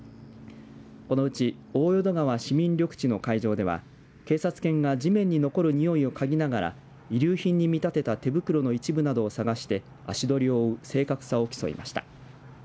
このうち大淀川市民緑地の会場では警察犬が地面に残るにおいを嗅ぎながら遺留品に見立てた手袋の一部などを探して足取りを追う正確さを競いました。